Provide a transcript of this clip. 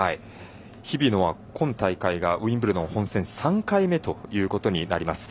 日比野は、今大会がウィンブルドン本戦出場が３回目ということになります。